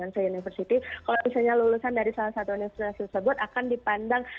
misalnya university kalau misalnya lulusan dari salah satu universitas tersebut akan dipandang